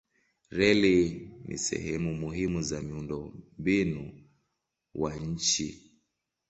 Reli ni sehemu muhimu za miundombinu wa nchi.